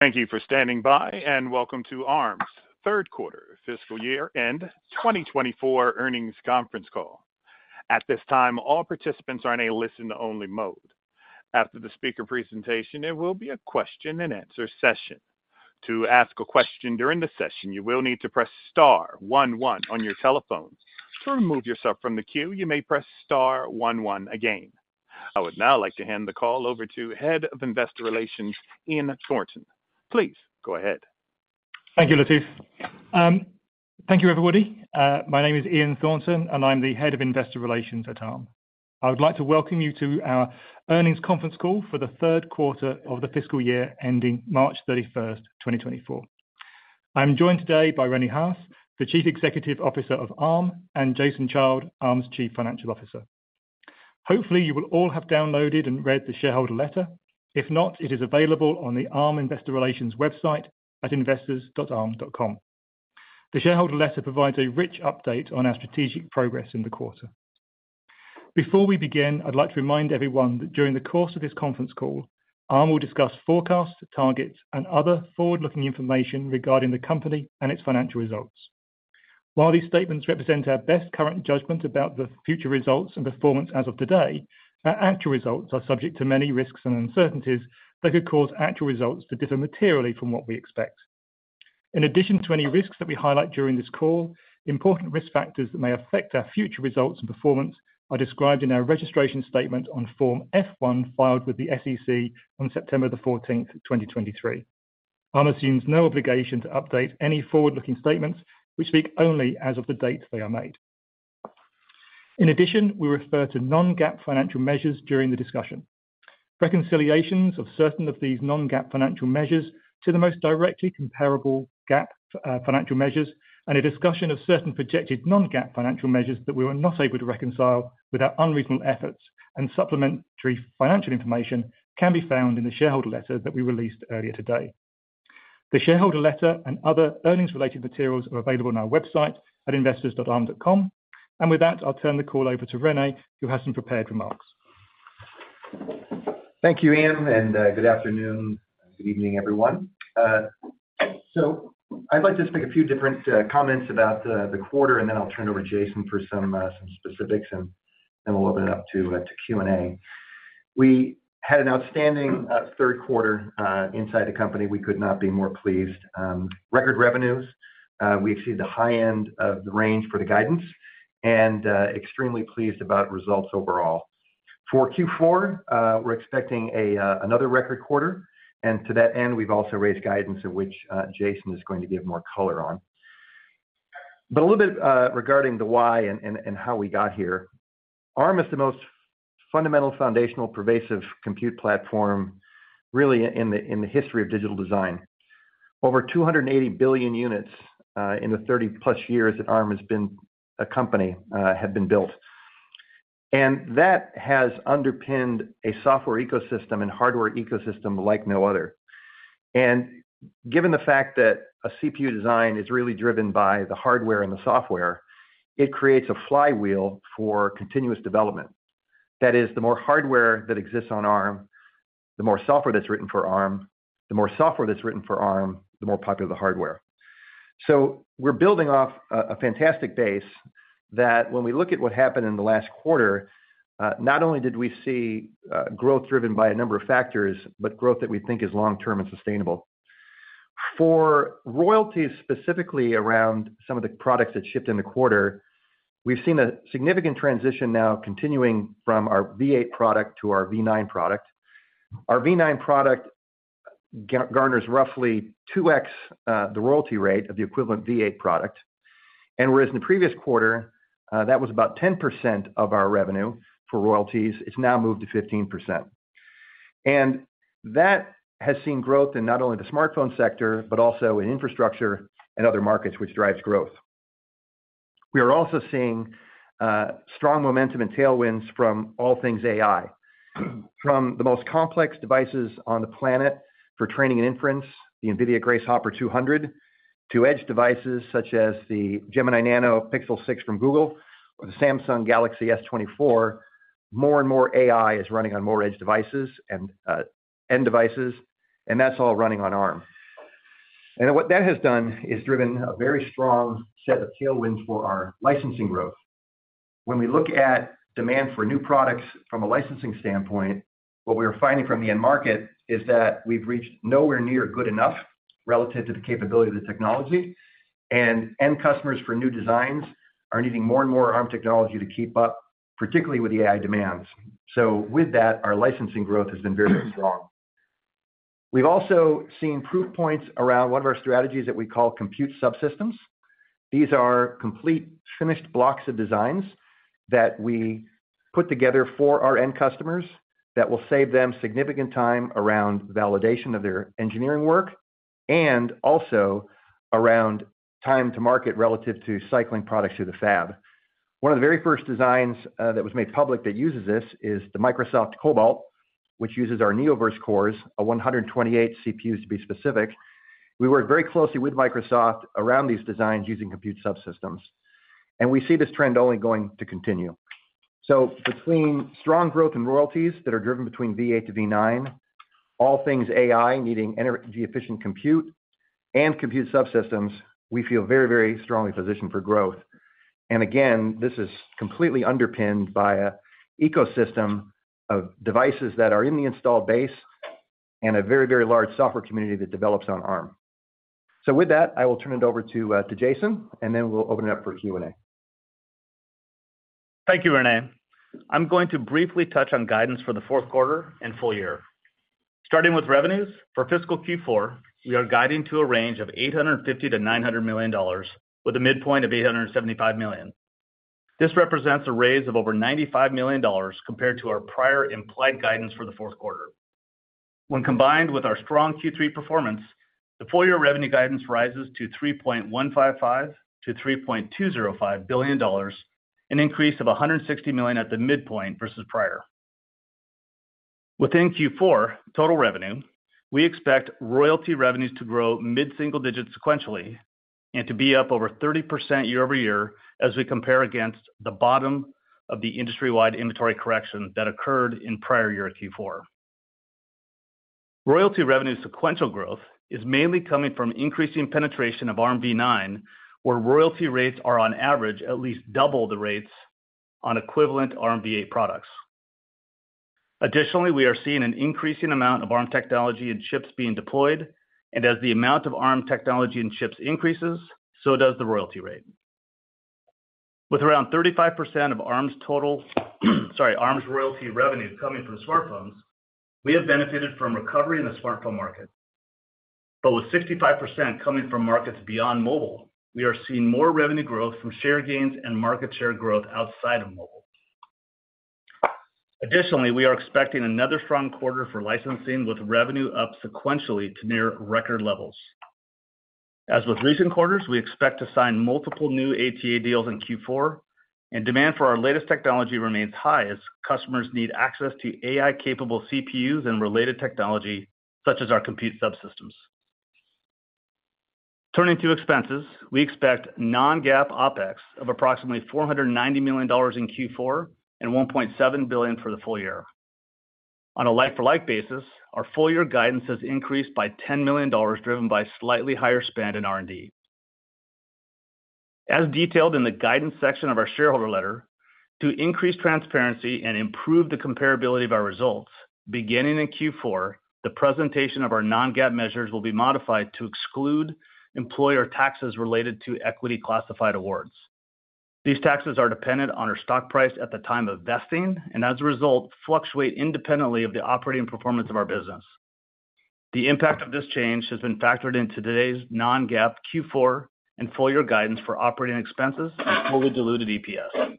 Thank you for standing by, and welcome to Arm's third quarter fiscal year 2024 earnings conference call. At this time, all participants are in a listen-only mode. After the speaker presentation, there will be a question and answer session. To ask a question during the session, you will need to press star 1 1 your telephone. To remove yourself from the queue, you may press star 1 1 again. I would now like to hand the call over to Head of Investor Relations, Ian Thornton. Please go ahead. Thank you, Latif. Thank you, everybody. My name is Ian Thornton, and I'm the head of Investor Relations at Arm. I would like to welcome you to our earnings conference call for the third quarter of the fiscal year, ending March 31, 2024. I'm joined today by Ren`e Haas, the Chief Executive Officer of Arm, and Jason Child, Arm's Chief Financial Officer. Hopefully, you will all have downloaded and read the shareholder letter. If not, it is available on the Arm Investor Relations website at investors.arm.com. The shareholder letter provides a rich update on our strategic progress in the quarter. Before we begin, I'd like to remind everyone that during the course of this conference call, Arm will discuss forecasts, targets, and other forward-looking information regarding the company and its financial results. While these statements represent our best current judgment about the future results and performance as of today, our actual results are subject to many risks and uncertainties that could cause actual results to differ materially from what we expect. In addition to any risks that we highlight during this call, important risk factors that may affect our future results and performance are described in our registration statement on Form F-1, filed with the SEC on September 14, 2023. Arm assumes no obligation to update any forward-looking statements, which speak only as of the dates they are made. In addition, we refer to non-GAAP financial measures during the discussion. Reconciliations of certain of these non-GAAP financial measures to the most directly comparable GAAP financial measures, and a discussion of certain projected non-GAAP financial measures that we were not able to reconcile with our unreasonable efforts and supplementary financial information, can be found in the shareholder letter that we released earlier today. The shareholder letter and other earnings-related materials are available on our website at investors.arm.com. With that, I'll turn the call over to René, who has some prepared remarks. Thank you, Ian, and good afternoon. Good evening, everyone. So I'd like to just make a few different comments about the quarter, and then I'll turn it over to Jason for some specifics and we'll open it up to Q&A. We had an outstanding third quarter inside the company. We could not be more pleased. Record revenues. We exceeded the high end of the range for the guidance and extremely pleased about results overall. For Q4, we're expecting another record quarter, and to that end, we've also raised guidance at which Jason is going to give more color on. But a little bit regarding the why and how we got here. Arm is the most fundamental, foundational, pervasive compute platform, really, in the history of digital design. Over 280 billion units in the 30-plus years that Arm has been a company have been built. And that has underpinned a software ecosystem and hardware ecosystem like no other. And given the fact that a CPU design is really driven by the hardware and the software, it creates a flywheel for continuous development. That is, the more hardware that exists on Arm, the more software that's written for Arm. The more software that's written for Arm, the more popular the hardware. So we're building off a, a fantastic base that when we look at what happened in the last quarter, not only did we see growth driven by a number of factors, but growth that we think is long-term and sustainable. For royalties, specifically around some of the products that shipped in the quarter, we've seen a significant transition now continuing from our v8 product to our v9 product. Our v9 product garners roughly 2x the royalty rate of the equivalent v8 product, and whereas in the previous quarter, that was about 10% of our revenue for royalties, it's now moved to 15%. And that has seen growth in not only the smartphone sector, but also in infrastructure and other markets, which drives growth. We are also seeing, strong momentum and tailwinds from all things AI. From the most complex devices on the planet for training and inference, the NVIDIA Grace Hopper 200, to edge devices such as the Gemini Nano Pixel 6 from Google or the Samsung Galaxy S24, more and more AI is running on more edge devices and, end devices, and that's all running on Arm. And what that has done is driven a very strong set of tailwinds for our licensing growth. When we look at demand for new products from a licensing standpoint, what we're finding from the end market is that we've reached nowhere near good enough relative to the capability of the technology, and end customers for new designs are needing more and more Arm technology to keep up, particularly with the AI demands. So with that, our licensing growth has been very strong. We've also seen proof points around one of our strategies that we call Compute Subsystems. These are complete, finished blocks of designs that we put together for our end customers that will save them significant time around validation of their engineering work, and also around time to market relative to cycling products through the fab. One of the very first designs that was made public that uses this is the Microsoft Cobalt, which uses our Neoverse cores, a 128 CPUs, to be specific. We worked very closely with Microsoft around these designs using Compute Subsystems, and we see this trend only going to continue. So between strong growth and royalties that are driven between v8 to v9, all things AI needing energy-efficient compute and Compute Subsystems, we feel very, very strongly positioned for growth. Again, this is completely underpinned by an ecosystem of devices that are in the installed base and a very, very large software community that develops on Arm. With that, I will turn it over to Jason, and then we'll open it up for Q&A. Thank you, Ren`e. I'm going to briefly touch on guidance for the fourth quarter and full year. Starting with revenues, for fiscal Q4, we are guiding to a range of $850 million-$900 million, with a midpoint of $875 million. This represents a raise of over $95 million compared to our prior implied guidance for the fourth quarter. When combined with our strong Q3 performance, the full year revenue guidance rises to $3.155 billion-$3.205 billion, an increase of $160 million at the midpoint versus prior. Within Q4 total revenue, we expect royalty revenues to grow mid-single digits sequentially and to be up over 30% year-over-year as we compare against the bottom of the industry-wide inventory correction that occurred in prior year Q4. Royalty revenue sequential growth is mainly coming from increasing penetration of Armv9, where royalty rates are on average at least double the rates on equivalent Armv8 products. Additionally, we are seeing an increasing amount of Arm technology and chips being deployed, and as the amount of Arm technology and chips increases, so does the royalty rate. With around 35% of Arm's total, sorry, Arm's royalty revenue coming from smartphones, we have benefited from recovery in the smartphone market. But with 65% coming from markets beyond mobile, we are seeing more revenue growth from share gains and market share growth outside of mobile. Additionally, we are expecting another strong quarter for licensing, with revenue up sequentially to near record levels. As with recent quarters, we expect to sign multiple new ATA deals in Q4, and demand for our latest technology remains high as customers need access to AI-capable CPUs and related technology, such as our Compute Subsystems. Turning to expenses, we expect non-GAAP Opex of approximately $490 million in Q4 and $1.7 billion for the full year. On a like-for-like basis, our full-year guidance has increased by $10 million, driven by slightly higher spend in R&D. As detailed in the guidance section of our shareholder letter, to increase transparency and improve the comparability of our results, beginning in Q4, the presentation of our non-GAAP measures will be modified to exclude employer taxes related to equity-classified awards. These taxes are dependent on our stock price at the time of vesting and as a result, fluctuate independently of the operating performance of our business. The impact of this change has been factored into today's non-GAAP Q4 and full-year guidance for operating expenses and fully diluted EPS.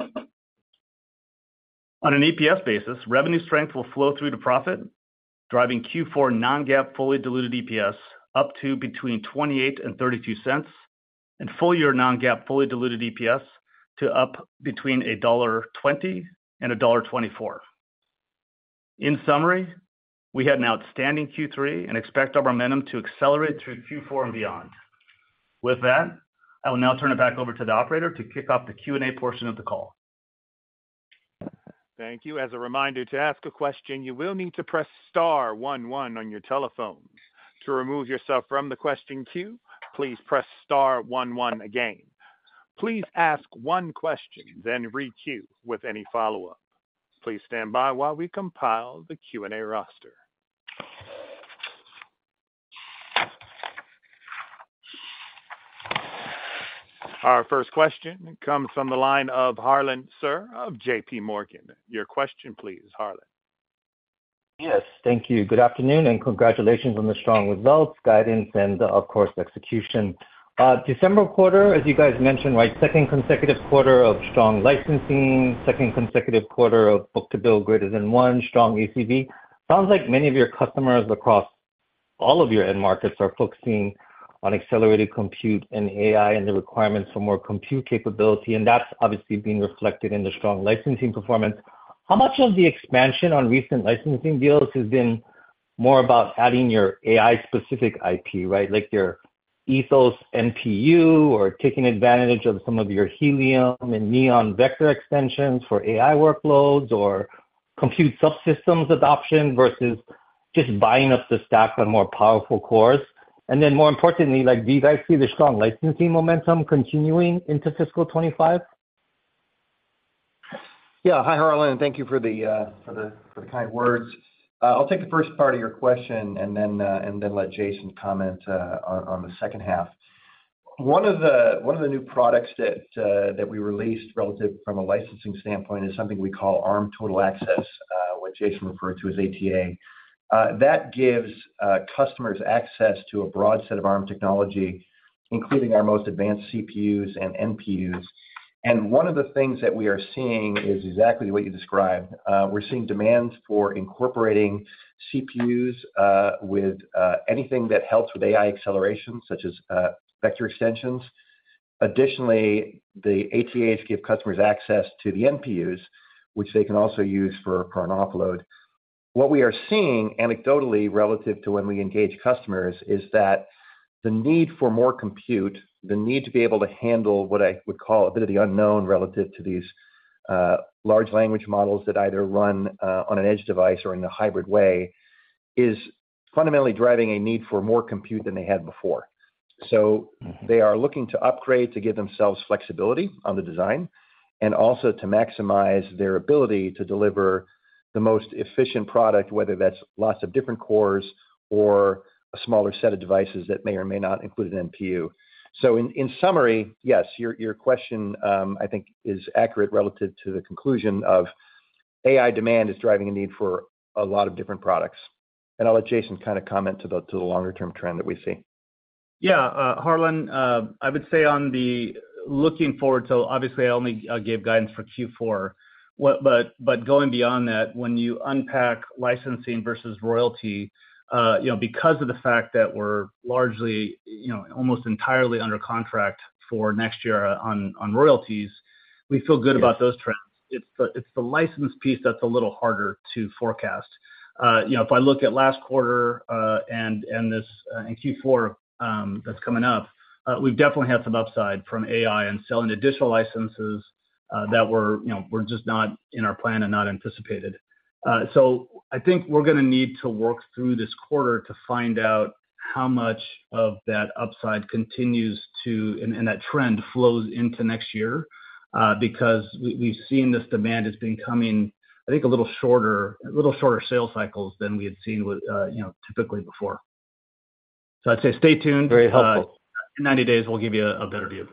On an EPS basis, revenue strength will flow through to profit, driving Q4 non-GAAP fully diluted EPS up to between $0.28 and $0.32, and full-year non-GAAP fully diluted EPS up between $1.20 and $1.24. In summary, we had an outstanding Q3 and expect our momentum to accelerate through Q4 and beyond. With that, I will now turn it back over to the operator to kick off the Q&A portion of the call. Thank you. As a reminder, to ask a question, you will need to press star 1 1 on your telephone. To remove yourself from the question queue, please press star 1 1 again. Please ask one question, then re-queue with any follow-up. Please stand by while we compile the Q&A roster. Our first question comes from the line of Harlan Sur of J.P. Morgan. Your question please, Harlan. Yes, thank you. Good afternoon, and congratulations on the strong results, guidance, and of course, execution. December quarter, as you guys mentioned, right, second consecutive quarter of strong licensing, second consecutive quarter of book-to-bill greater than one, strong ACV. Sounds like many of your customers across all of your end markets are focusing on accelerated compute and AI and the requirements for more compute capability, and that's obviously being reflected in the strong licensing performance. How much of the expansion on recent licensing deals has been more about adding your AI-specific IP, right? Like your Ethos NPU, or taking advantage of some of your Helium and Neon vector extensions for AI workloads, or Compute Subsystems Adoption, versus just buying up the stack on more powerful cores. And then more importantly, like, do you guys see the strong licensing momentum continuing into fiscal 2025? Yeah. Hi, Harlan, and thank you for the kind words. I'll take the first part of your question and then let Jason comment on the second half. One of the new products that we released relative from a licensing standpoint is something we call Arm Total Access, what Jason referred to as ATA. That gives customers access to a broad set of Arm technology, including our most advanced CPUs and NPUs. And one of the things that we are seeing is exactly what you described. We're seeing demands for incorporating CPUs with anything that helps with AI acceleration, such as vector extensions. Additionally, the ATAs give customers access to the NPUs, which they can also use for current offload.... What we are seeing anecdotally relative to when we engage customers is that the need for more compute, the need to be able to handle what I would call a bit of the unknown relative to these large language models that either run on an edge device or in a hybrid way, is fundamentally driving a need for more compute than they had before. So they are looking to upgrade to give themselves flexibility on the design, and also to maximize their ability to deliver the most efficient product, whether that's lots of different cores or a smaller set of devices that may or may not include an NPU. So in summary, yes, your question I think is accurate relative to the conclusion of AI demand is driving a need for a lot of different products. I'll let Jason kind of comment to the longer-term trend that we see. Yeah, Harlan, I would say on the looking forward to, obviously, I only gave guidance for Q4. But going beyond that, when you unpack licensing versus royalty, you know, because of the fact that we're largely, you know, almost entirely under contract for next year on royalties, we feel good about those trends. It's the license piece that's a little harder to forecast. You know, if I look at last quarter and this in Q4 that's coming up, we've definitely had some upside from AI and selling additional licenses that were, you know, were just not in our plan and not anticipated. So I think we're going to need to work through this quarter to find out how much of that upside continues to and that trend flows into next year. Because we, we've seen this demand as being coming, I think, a little shorter, a little shorter sales cycles than we had seen with, you know, typically before. So I'd say stay tuned. Very helpful. In 90 days, we'll give you a better view.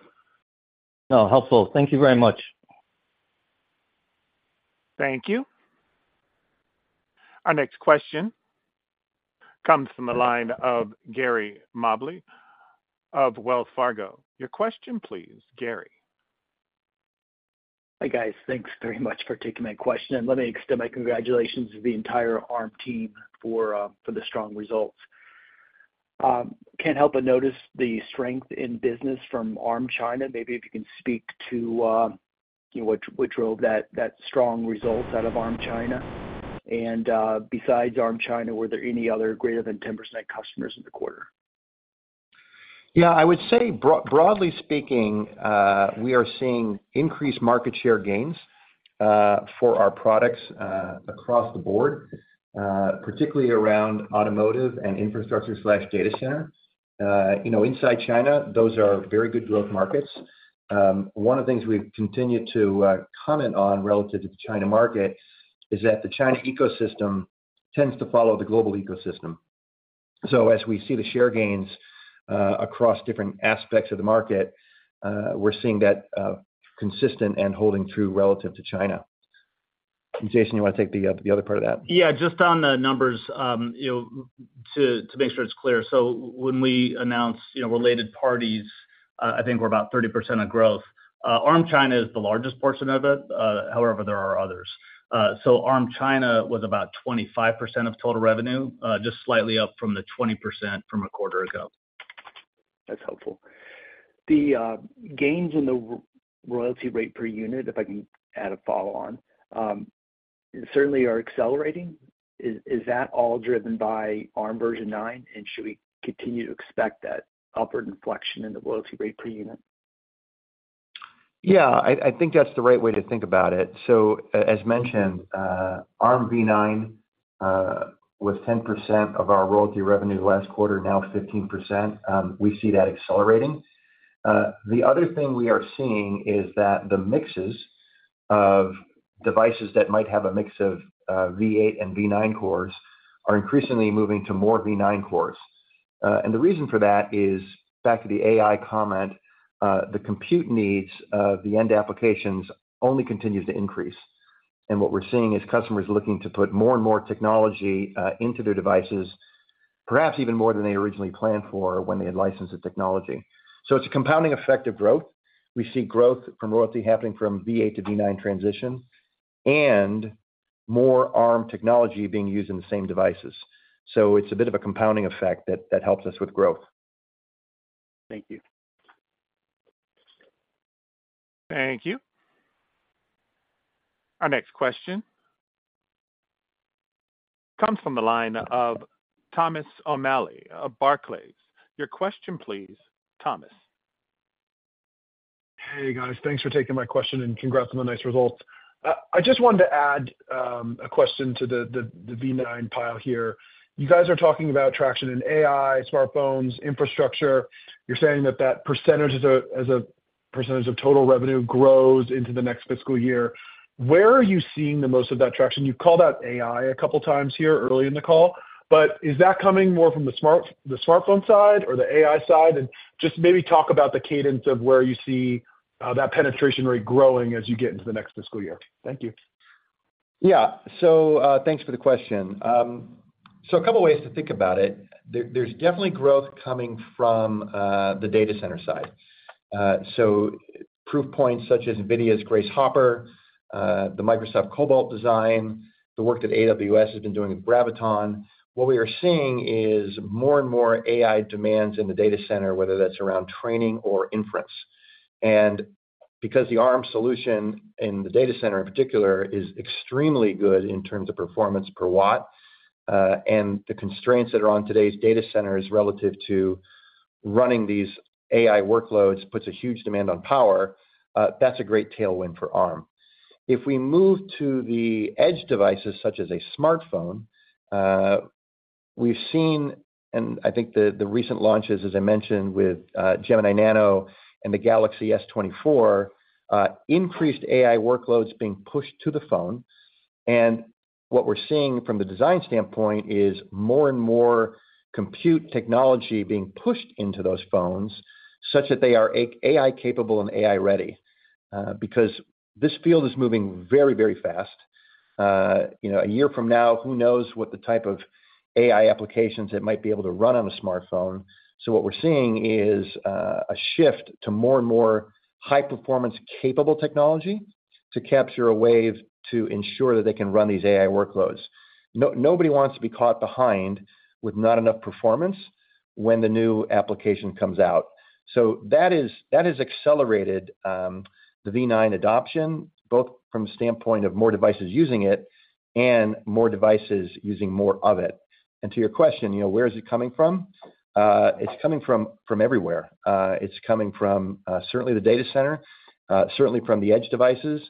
Oh, helpful. Thank you very much. Thank you. Our next question comes from the line of Gary Mobley of Wells Fargo. Your question, please, Gary. Hi, guys. Thanks very much for taking my question, and let me extend my congratulations to the entire Arm team for the strong results. Can't help but notice the strength in business from Arm China. Maybe if you can speak to, you know, what drove that strong results out of Arm China? Besides Arm China, were there any other greater than 10% customers in the quarter? Yeah, I would say broadly speaking, we are seeing increased market share gains for our products across the board, particularly around automotive and infrastructure/data center. You know, inside China, those are very good growth markets. One of the things we've continued to comment on relative to the China market is that the China ecosystem tends to follow the global ecosystem. So as we see the share gains across different aspects of the market, we're seeing that consistent and holding true relative to China. Jason, you want to take the other part of that? Yeah, just on the numbers, you know, to make sure it's clear. So when we announce, you know, related parties, I think we're about 30% of growth. Arm China is the largest portion of it, however, there are others. So Arm China was about 25% of total revenue, just slightly up from the 20% from a quarter ago. That's helpful. The gains in the royalty rate per unit, if I can add a follow-on, certainly are accelerating. Is that all driven by Armv9? And should we continue to expect that upward inflection in the royalty rate per unit? Yeah, I think that's the right way to think about it. So as mentioned, Armv9 was 10% of our royalty revenue last quarter, now 15%. We see that accelerating. The other thing we are seeing is that the mixes of devices that might have a mix of Armv8 and Armv9 cores are increasingly moving to more Armv9 cores. And the reason for that is back to the AI comment, the compute needs of the end applications only continues to increase. And what we're seeing is customers looking to put more and more technology into their devices, perhaps even more than they originally planned for when they had licensed the technology. So it's a compounding effect of growth. We see growth from royalty happening from v8 to v9 transition, and more Arm technology being used in the same devices. So it's a bit of a compounding effect that helps us with growth. Thank you. Thank you. Our next question comes from the line of Thomas O'Malley of Barclays. Your question, please, Thomas. Hey, guys. Thanks for taking my question, and congrats on the nice results. I just wanted to add a question to the v9 pile here. You guys are talking about traction in AI, smartphones, infrastructure. You're saying that percentage as a percentage of total revenue grows into the next fiscal year. Where are you seeing the most of that traction? You've called out AI a couple of times here early in the call, but is that coming more from the smartphone side or the AI side? And just maybe talk about the cadence of where you see that penetration rate growing as you get into the next fiscal year. Thank you. Yeah. So, thanks for the question. So a couple of ways to think about it. There's definitely growth coming from the data center side. So proof points such as NVIDIA's Grace Hopper, the Microsoft Cobalt design, the work that AWS has been doing with Graviton. What we are seeing is more and more AI demands in the data center, whether that's around training or inference. And because the Arm solution in the data center in particular, is extremely good in terms of performance per watt, and the constraints that are on today's data centers relative to running these AI workloads puts a huge demand on power, that's a great tailwind for Arm. If we move to the edge devices, such as a smartphone, we've seen, and I think the recent launches, as I mentioned, with Gemini Nano and the Galaxy S24, increased AI workloads being pushed to the phone. And what we're seeing from the design standpoint is more and more compute technology being pushed into those phones such that they are AI capable and AI ready. Because this field is moving very, very fast. You know, a year from now, who knows what the type of AI applications it might be able to run on a smartphone. So what we're seeing is a shift to more and more high-performance capable technology to capture a wave to ensure that they can run these AI workloads. Nobody wants to be caught behind with not enough performance when the new application comes out. So that is, that has accelerated the v9 adoption, both from the standpoint of more devices using it and more devices using more of it. And to your question, you know, where is it coming from? It's coming from, from everywhere. It's coming from certainly the data center, certainly from the edge devices,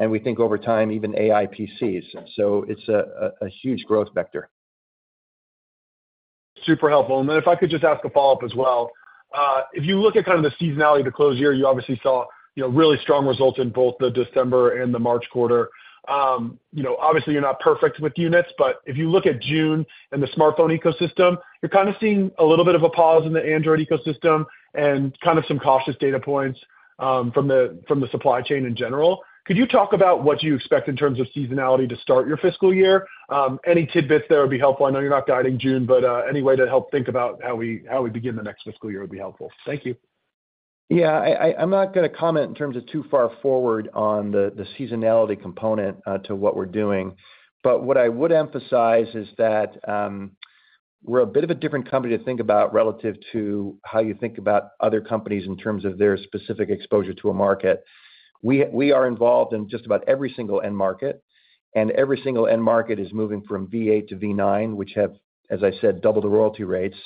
and we think over time, even AI PCs. So it's a huge growth vector. Super helpful. And then if I could just ask a follow-up as well. If you look at kind of the seasonality of the close year, you obviously saw, you know, really strong results in both the December and the March quarter. You know, obviously, you're not perfect with units, but if you look at June and the smartphone ecosystem, you're kind of seeing a little bit of a pause in the Android ecosystem and kind of some cautious data points from the supply chain in general. Could you talk about what you expect in terms of seasonality to start your fiscal year? Any tidbits there would be helpful. I know you're not guiding June, but any way to help think about how we begin the next fiscal year would be helpful. Thank you. Yeah, I'm not gonna comment in terms of too far forward on the seasonality component to what we're doing. But what I would emphasize is that we're a bit of a different company to think about relative to how you think about other companies in terms of their specific exposure to a market. We are involved in just about every single end market, and every single end market is moving from v8 to v9, which have, as I said, double the royalty rates.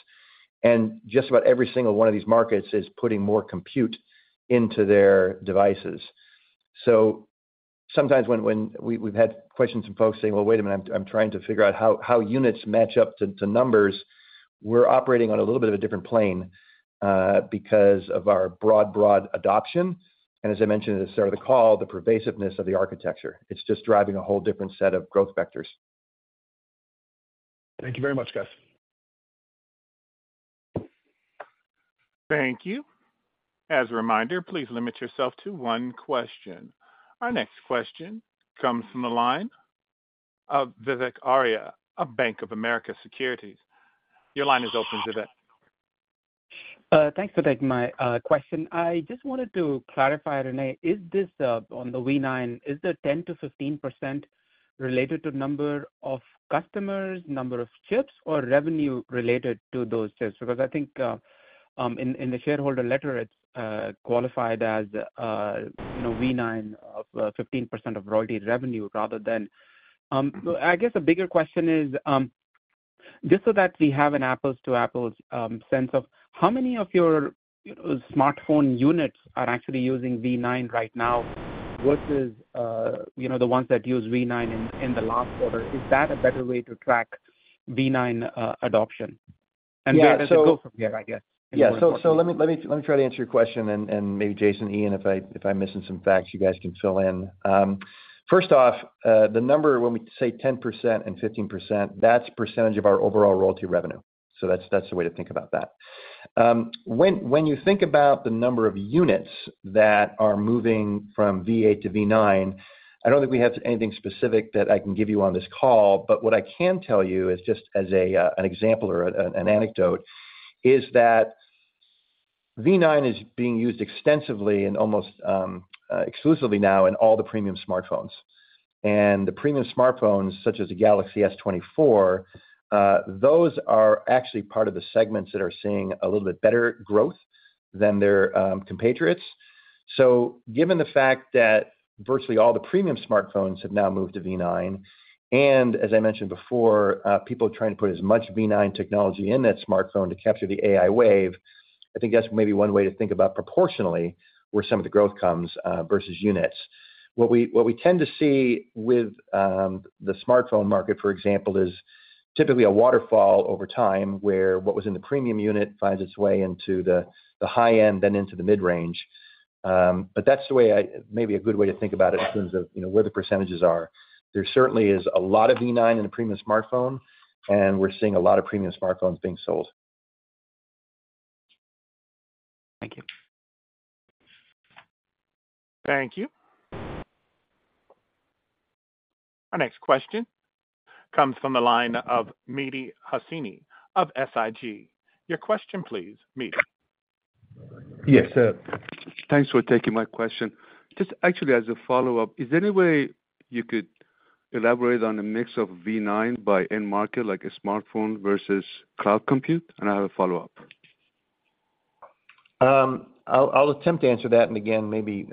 And just about every single one of these markets is putting more compute into their devices. So sometimes when we've had questions from folks saying: Well, wait a minute, I'm trying to figure out how units match up to numbers. We're operating on a little bit of a different plane, because of our broad, broad adoption. And as I mentioned at the start of the call, the pervasiveness of the architecture. It's just driving a whole different set of growth vectors. Thank you very much, guys. Thank you. As a reminder, please limit yourself to one question. Our next question comes from the line of Vivek Arya of Bank of America Securities. Your line is open, Vivek. Thanks for taking my question. I just wanted to clarify, Ren`e, is this on the v9, is the 10%-15% related to number of customers, number of chips, or revenue related to those chips? Because I think in the shareholder letter, it's qualified as, you know, v9 of 15% of royalty revenue rather than... I guess a bigger question is, just so that we have an apples to apples sense of how many of your smartphone units are actually using v9 right now versus, you know, the ones that use v9 in the last quarter? Is that a better way to track v9 adoption? Yeah, so- From here, I guess. Yeah. So let me try to answer your question, and maybe Jason, Ian, if I'm missing some facts, you guys can fill in. First off, the number when we say 10% and 15%, that's percentage of our overall royalty revenue. So that's the way to think about that. When you think about the number of units that are moving from v8 to v9, I don't think we have anything specific that I can give you on this call, but what I can tell you is just as an example or an anecdote, is that v9 is being used extensively and almost exclusively now in all the premium smartphones. The premium smartphones, such as the Galaxy S24, those are actually part of the segments that are seeing a little bit better growth than their compatriots. So given the fact that virtually all the premium smartphones have now moved to v9, and as I mentioned before, people are trying to put as much v9 technology in that smartphone to capture the AI wave, I think that's maybe one way to think about proportionally where some of the growth comes versus units. What we tend to see with the smartphone market, for example, is typically a waterfall over time, where what was in the premium unit finds its way into the high end, then into the mid-range. But that's the way I... Maybe a good way to think about it in terms of, you know, where the percentages are. There certainly is a lot of v9 in the premium smartphone, and we're seeing a lot of premium smartphones being sold. Thank you. Thank you. Our next question comes from the line of Mehdi Hosseini of SIG. Your question, please, Mehdi. Yes, sir. Thanks for taking my question. Just actually, as a follow-up, is there any way you could elaborate on the mix of v9 by end market, like a smartphone versus cloud compute? And I have a follow-up. I'll attempt to answer that. And again, maybe, you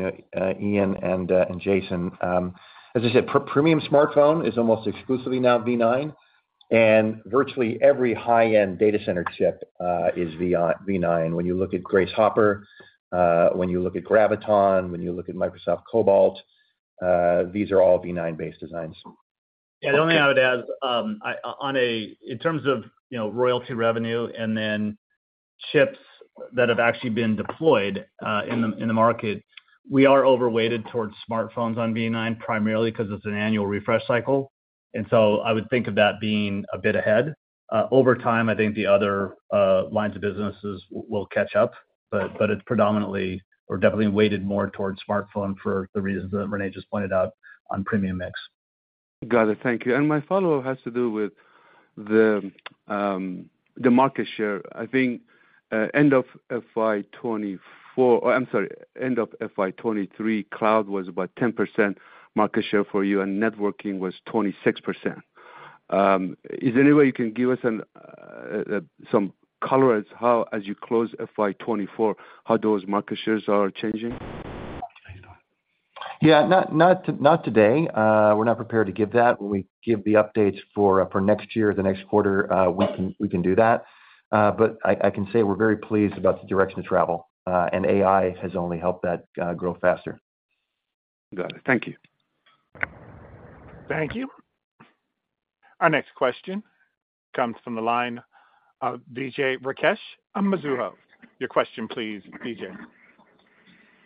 know, Ian and Jason, as I said, premium smartphone is almost exclusively now v9, and virtually every high-end data center chip is v9. When you look at Grace Hopper, when you look at Graviton, when you look at Microsoft Cobalt, these are all v9-based designs. Yeah, the only I would add, I, on a in terms of, you know, royalty revenue and then chips that have actually been deployed, in the market, we are overweighted towards smartphones on v9, primarily because it's an annual refresh cycle. And so I would think of that being a bit ahead. Over time, I think the other lines of businesses will catch up, but it's predominantly or definitely weighted more towards smartphone for the reasons that Ren`e just pointed out on premium mix. Got it. Thank you. And my follow-up has to do with the market share. I think end of FY 2024, or I'm sorry, end of FY 2023, cloud was about 10% market share for you, and networking was 26%. Is there any way you can give us some color as how, as you close FY 2024, how those market shares are changing? Yeah, not today. We're not prepared to give that. When we give the updates for next year, the next quarter, we can do that. But I can say we're very pleased about the direction of travel, and AI has only helped that grow faster. Got it. Thank you. Thank you. Our next question comes from the line of Vijay Rakesh of Mizuho. Your question please, Vijay.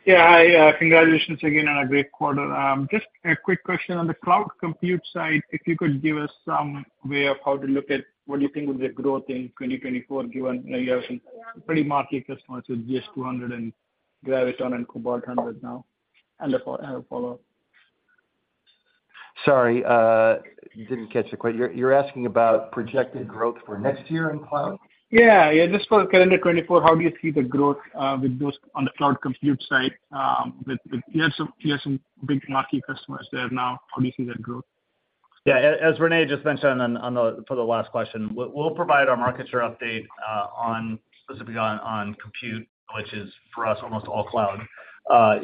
Yeah. Hi, congratulations again on a great quarter. Just a quick question on the cloud compute side. If you could give us some way of how to look at what you think would be the growth in 2024, given you have some pretty marquee customers with GH200 and Graviton and Cobalt 100 now, and a follow-up. Sorry, didn't catch it quite. You're asking about projected growth for next year in cloud? Yeah. Yeah, just for calendar 2024, how do you see the growth with those on the cloud compute side? With you have some big marquee customers there now. How do you see that growth? Yeah, as Ren`e just mentioned on the for the last question, we'll provide our market share update on specifically on compute, which is for us, almost all cloud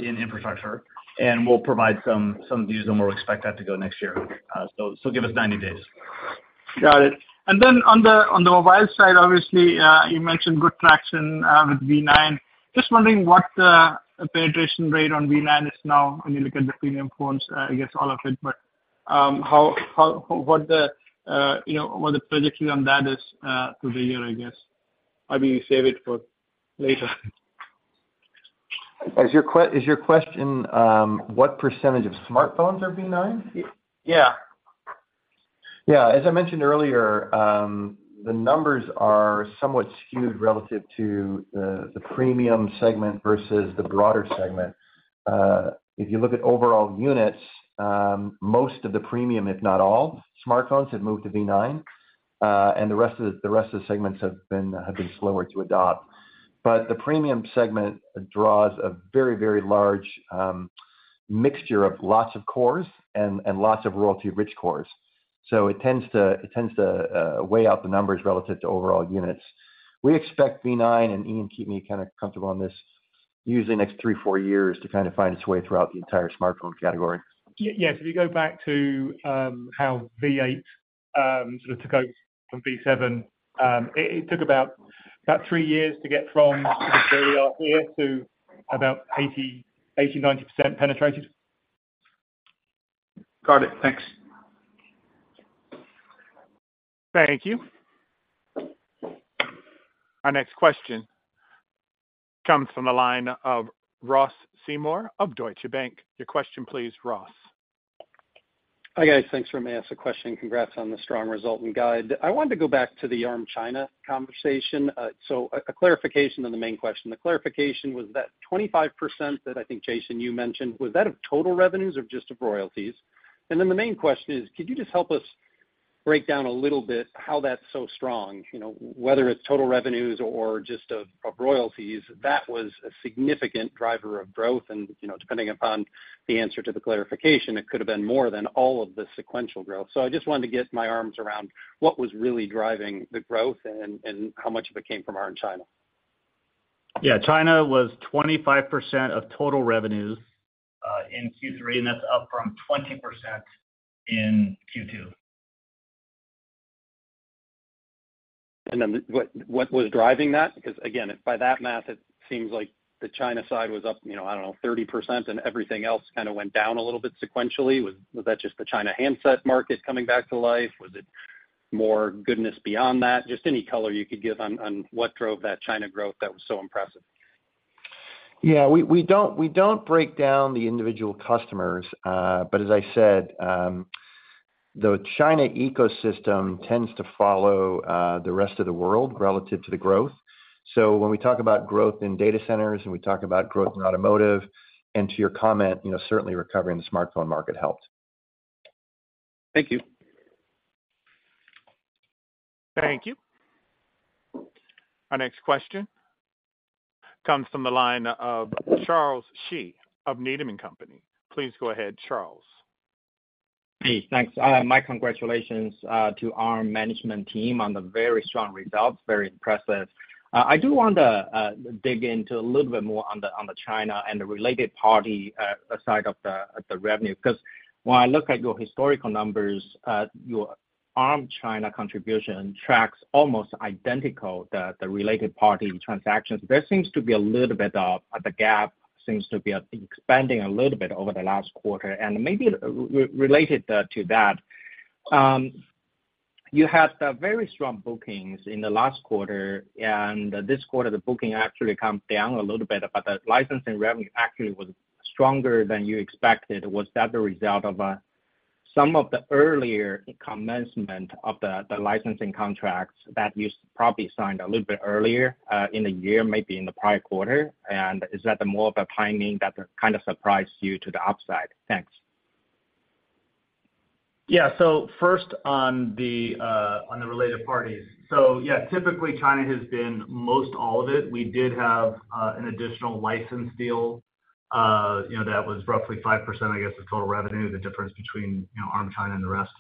in infrastructure. And we'll provide some views on where we expect that to go next year. So, give us 90 days. Got it. And then on the mobile side, obviously, you mentioned good traction with v9. Just wondering what the penetration rate on v9 is now, when you look at the premium phones, I guess all of it, but, how, what the, you know, what the projection on that is through the year, I guess? Or maybe you save it for later. Is your question, what percentage of smartphones are v9? Y- yeah. Yeah. As I mentioned earlier, the numbers are somewhat skewed relative to the premium segment versus the broader segment. If you look at overall units, most of the premium, if not all smartphones, have moved to v9, and the rest of the segments have been slower to adopt. But the premium segment draws a very, very large mixture of lots of cores and lots of royalty rich cores, so it tends to weigh out the numbers relative to overall units. We expect v9, and Ian, keep me kind of comfortable on this, usually next 3-4 years to kind of find its way throughout the entire smartphone category. Yes, if you go back to how v8 sort of took off from v7, it took about three years to get from where we are here to about 80-90% penetrated. Got it. Thanks. Thank you. Our next question comes from the line of Ross Seymore of Deutsche Bank. Your question please, Ross. Hi, guys. Thanks for letting me ask a question, and congrats on the strong result and guide. I wanted to go back to the Arm China conversation. So, a clarification on the main question. The clarification was that 25% that I think, Jason, you mentioned, was that of total revenues or just of royalties? And then the main question is, could you just help us break down a little bit how that's so strong? You know, whether it's total revenues or just of royalties, that was a significant driver of growth and, you know, depending upon the answer to the clarification, it could have been more than all of the sequential growth. So I just wanted to get my arms around what was really driving the growth and how much of it came from Arm China. Yeah, China was 25% of total revenues in Q3, and that's up from 20% in Q2. Then what, what was driving that? Because, again, by that math, it seems like the China side was up, you know, I don't know, 30%, and everything else kind of went down a little bit sequentially. Was, was that just the China handset market coming back to life? Was it more goodness beyond that? Just any color you could give on, on what drove that China growth that was so impressive. Yeah, we, we don't, we don't break down the individual customers, but as I said, the China ecosystem tends to follow the rest of the world relative to the growth. So when we talk about growth in data centers, and we talk about growth in automotive, and to your comment, you know, certainly recovering the smartphone market helped. Thank you.... Thank you. Our next question comes from the line of Charles Shi of Needham and Company. Please go ahead, Charles. Hey, thanks. My congratulations to Arm management team on the very strong results. Very impressive. I do want to dig into a little bit more on the China and the related party side of the revenue, because when I look at your historical numbers, your Arm China contribution tracks almost identical to the related party transactions. There seems to be a little bit of, the gap seems to be expanding a little bit over the last quarter. And maybe related to that, you had some very strong bookings in the last quarter, and this quarter, the booking actually comes down a little bit, but the licensing revenue actually was stronger than you expected. Was that the result of some of the earlier commencement of the licensing contracts that you probably signed a little bit earlier in the year, maybe in the prior quarter? And is that more of a timing that kind of surprised you to the upside? Thanks. Yeah. So first on the related parties. So yeah, typically, China has been most all of it. We did have an additional license deal, you know, that was roughly 5%, I guess, of total revenue, the difference between, you know, Arm China and the rest.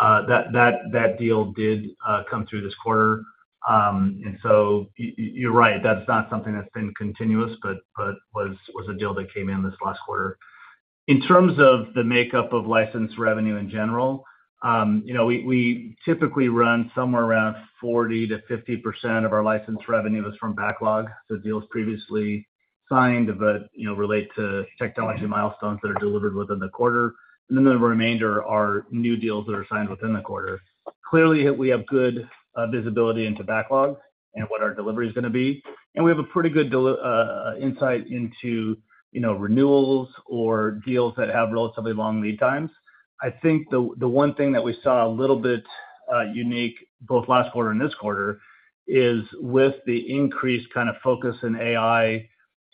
That deal did come through this quarter. And so you're right, that's not something that's been continuous, but was a deal that came in this last quarter. In terms of the makeup of license revenue in general, you know, we typically run somewhere around 40%-50% of our license revenue is from backlog, so deals previously signed, but, you know, relate to technology milestones that are delivered within the quarter, and then the remainder are new deals that are signed within the quarter. Clearly, we have good visibility into backlog and what our delivery is going to be, and we have a pretty good insight into, you know, renewals or deals that have relatively long lead times. I think the one thing that we saw a little bit unique, both last quarter and this quarter, is with the increased kind of focus in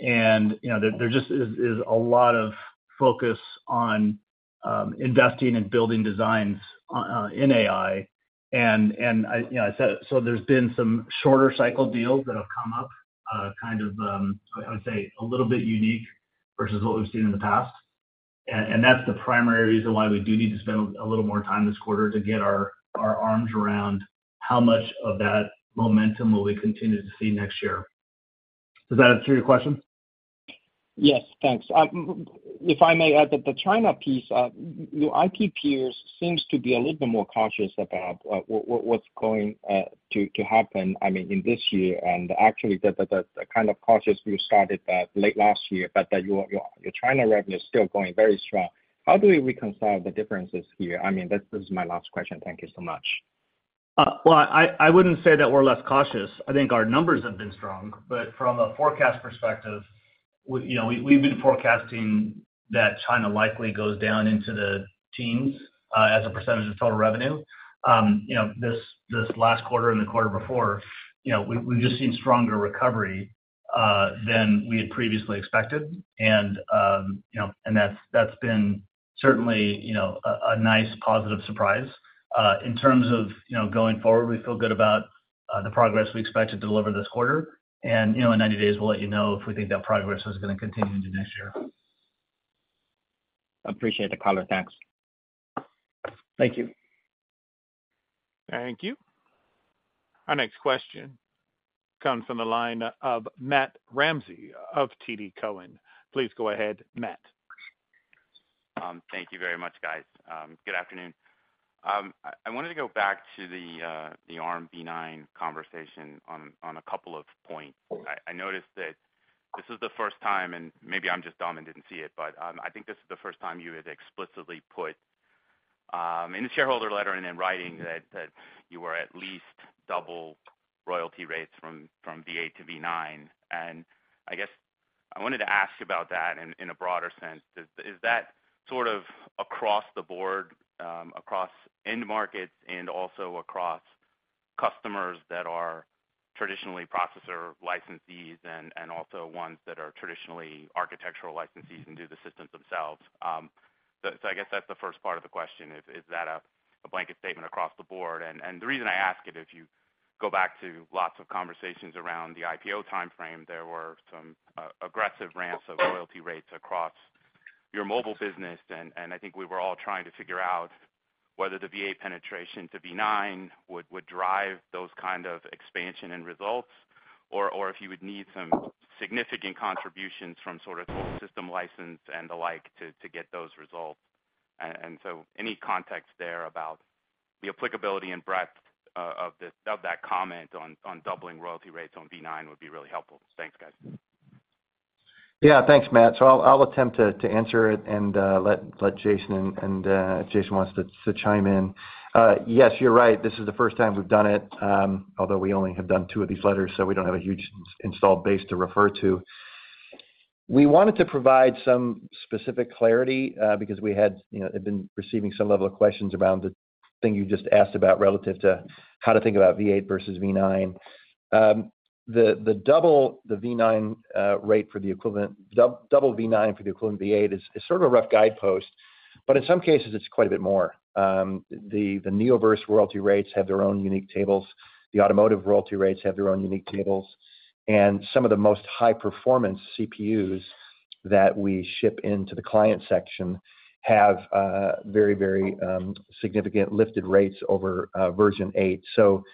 AI, and, you know, there just is a lot of focus on investing and building designs on in AI. And I, you know, I said, so there's been some shorter cycle deals that have come up, kind of, I would say, a little bit unique versus what we've seen in the past. And that's the primary reason why we do need to spend a little more time this quarter to get our arms around how much of that momentum will we continue to see next year. Does that answer your question? Yes, thanks. If I may add that the China piece, your IP peers seem to be a little bit more cautious about what's going to happen, I mean, in this year, and actually the kind of cautious you started that late last year, but that your China revenue is still going very strong. How do we reconcile the differences here? I mean, that's, this is my last question. Thank you so much. Well, I wouldn't say that we're less cautious. I think our numbers have been strong, but from a forecast perspective, you know, we've been forecasting that China likely goes down into the teens, as a percentage of total revenue. You know, this last quarter and the quarter before, you know, we've just seen stronger recovery than we had previously expected. And you know, and that's been certainly, you know, a nice positive surprise. In terms of, you know, going forward, we feel good about the progress we expect to deliver this quarter. And you know, in 90 days, we'll let you know if we think that progress is going to continue into next year. Appreciate the color. Thanks. Thank you. Thank you. Our next question comes from the line of Matt Ramsay of TD Cowen. Please go ahead, Matt. Thank you very much, guys. Good afternoon. I wanted to go back to the Armv9 conversation on a couple of points. I noticed that this is the first time, and maybe I'm just dumb and didn't see it, but I think this is the first time you had explicitly put in the shareholder letter and in writing that you were at least double royalty rates from Armv8 to Armv9. And I guess I wanted to ask you about that in a broader sense. Is that sort of across the board, across end markets and also across customers that are traditionally processor licensees and also ones that are traditionally architectural licensees and do the systems themselves? So I guess that's the first part of the question, is that a blanket statement across the board? And the reason I ask it, if you go back to lots of conversations around the IPO timeframe, there were some aggressive ramps of royalty rates across your mobile business, and I think we were all trying to figure out whether the v8 penetration to v9 would drive those kind of expansion and results, or if you would need some significant contributions from sort of system license and the like, to get those results. And so any context there about the applicability and breadth of this, of that comment on doubling royalty rates on v9 would be really helpful. Thanks, guys. Yeah, thanks, Matt. So I'll attempt to answer it and let Jason and if Jason wants to chime in. Yes, you're right, this is the first time we've done it, although we only have done two of these letters, so we don't have a huge installed base to refer to. We wanted to provide some specific clarity, because we had, you know, been receiving some level of questions around the thing you just asked about relative to how to think about v8 versus v9. The double v9 rate for the equivalent v8 is sort of a rough guidepost, but in some cases it's quite a bit more. The Neoverse royalty rates have their own unique tables. The automotive royalty rates have their own unique tables. And some of the most high-performance CPUs that we ship into the client section have very significant lifted rates over version eight. So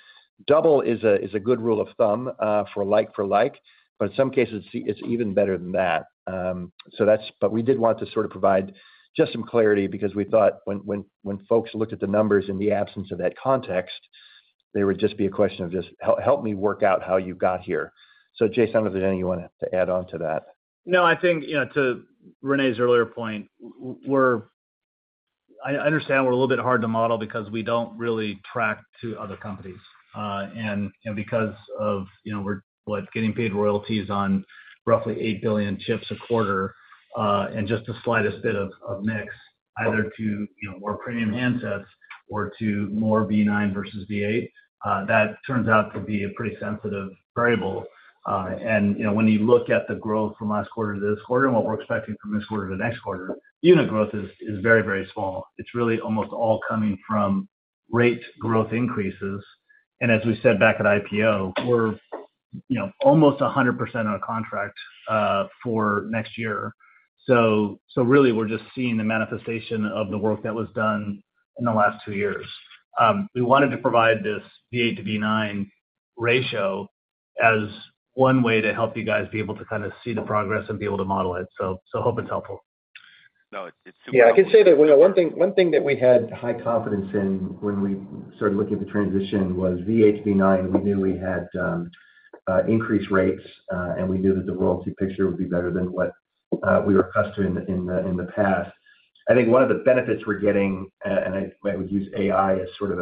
double is a good rule of thumb for like for like, but in some cases, it's even better than that. So that's—but we did want to sort of provide just some clarity because we thought when folks looked at the numbers in the absence of that context, they would just be a question of just, "Help, help me work out how you got here." So Jason, was there anything you wanted to add on to that? No, I think, you know, to Ren`e earlier point, we're—I understand we're a little bit hard to model because we don't really track to other companies. And because of, you know, we're, like, getting paid royalties on roughly 8 billion chips a quarter, and just the slightest bit of mix, either to, you know, more premium handsets or to more v9 versus v8, that turns out to be a pretty sensitive variable. And, you know, when you look at the growth from last quarter to this quarter and what we're expecting from this quarter to the next quarter, unit growth is very, very small. It's really almost all coming from rate growth increases. And as we said back at IPO, we're, you know, almost 100% on a contract for next year. So, really, we're just seeing the manifestation of the work that was done in the last two years. We wanted to provide this v8 to v9 ratio as one way to help you guys be able to kind of see the progress and be able to model it. So, hope it's helpful. No, it's super helpful. Yeah, I can say that, you know, one thing that we had high confidence in when we started looking at the transition was v8 to v9. We knew we had increased rates, and we knew that the royalty picture would be better than what we were accustomed to in the past. I think one of the benefits we're getting, and I would use AI as sort of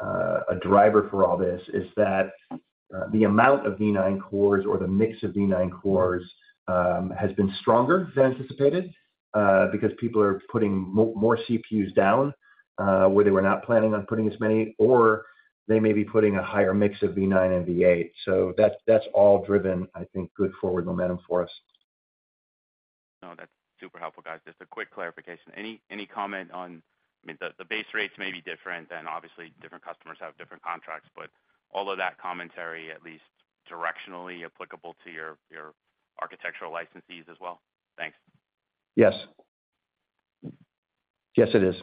a driver for all this, is that the amount of v9 cores or the mix of v9 cores has been stronger than anticipated, because people are putting more CPUs down, where they were not planning on putting as many, or they may be putting a higher mix of v9 and v8. So that's all driven, I think, good forward momentum for us. No, that's super helpful, guys. Just a quick clarification. Any comment on... I mean, the base rates may be different, and obviously, different customers have different contracts, but all of that commentary, at least directionally applicable to your architectural licensees as well? Thanks. Yes. Yes, it is.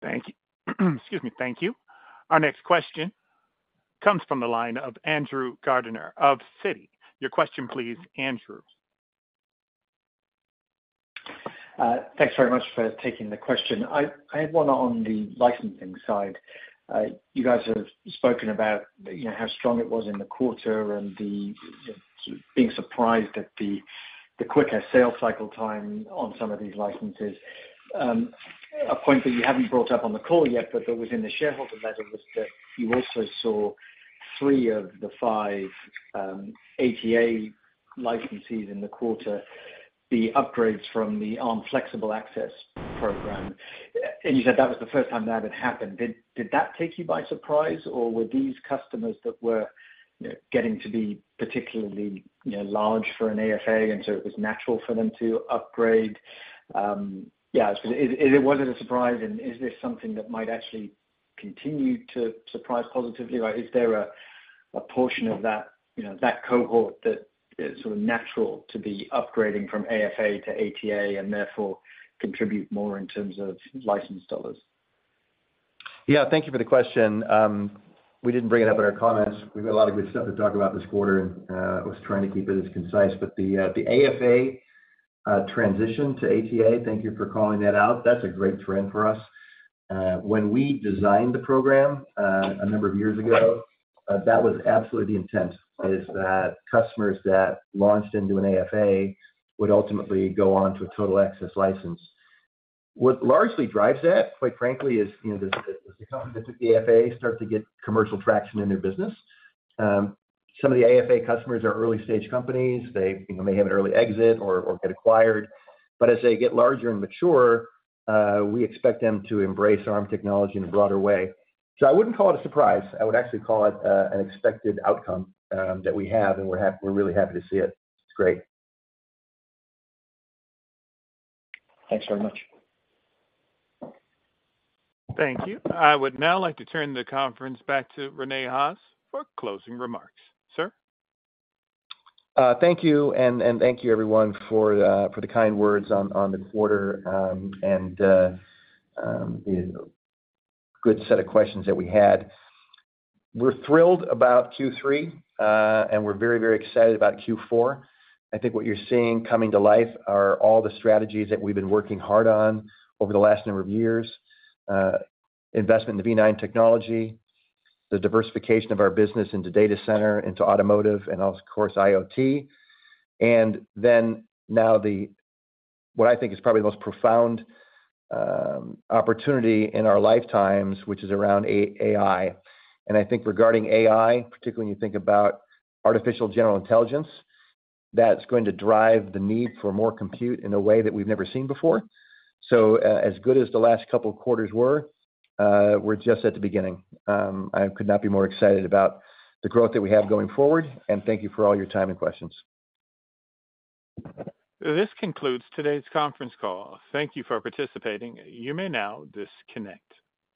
Thank you. Excuse me. Thank you. Our next question comes from the line of Andrew Gardiner of Citi. Your question, please, Andrew. Thanks very much for taking the question. I had one on the licensing side. You guys have spoken about, you know, how strong it was in the quarter and the, being surprised at the, the quicker sales cycle time on some of these licenses. A point that you haven't brought up on the call yet, but that was in the shareholder letter, was that you also saw three of the five ATA licensees in the quarter, the upgrades from the Arm Flexible Access program. And you said that was the first time that had happened. Did that take you by surprise, or were these customers that were, you know, getting to be particularly, you know, large for an AFA, and so it was natural for them to upgrade? Yeah, was it a surprise, and is this something that might actually continue to surprise positively? Or is there a portion of that, you know, that cohort that is sort of natural to be upgrading from AFA to ATA and therefore contribute more in terms of licensed dollars? Yeah, thank you for the question. We didn't bring it up in our comments. We've got a lot of good stuff to talk about this quarter, and I was trying to keep it as concise. But the AFA transition to ATA, thank you for calling that out. That's a great trend for us. When we designed the program a number of years ago, that was absolutely the intent, is that customers that launched into an AFA would ultimately go on to a Total Access license. What largely drives that, quite frankly, is, you know, the companies that took the AFA start to get commercial traction in their business. Some of the AFA customers are early-stage companies. They, you know, may have an early exit or get acquired. But as they get larger and mature, we expect them to embrace Arm technology in a broader way. So I wouldn't call it a surprise. I would actually call it, an expected outcome, that we have, and we're really happy to see it. It's great. Thanks very much. Thank you. I would now like to turn the conference back to Ren`e Haas for closing remarks. Sir? Thank you, and thank you everyone for the kind words on the quarter, and the good set of questions that we had. We're thrilled about Q3, and we're very, very excited about Q4. I think what you're seeing coming to life are all the strategies that we've been working hard on over the last number of years. Investment in the v9 technology, the diversification of our business into data center, into automotive, and of course, IoT. And then now the, what I think is probably the most profound opportunity in our lifetimes, which is around AI. And I think regarding AI, particularly when you think about artificial general intelligence, that's going to drive the need for more compute in a way that we've never seen before. As good as the last couple of quarters were, we're just at the beginning. I could not be more excited about the growth that we have going forward, and thank you for all your time and questions. This concludes today's conference call. Thank you for participating. You may now disconnect.